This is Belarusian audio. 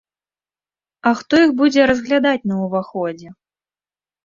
А хто іх будзе разглядаць на ўваходзе?